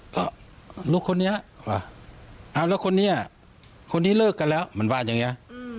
ก็ลูกคนนี้เอาแล้วคนนี้คนนี้เลิกกันแล้วมันว่าอย่างนี้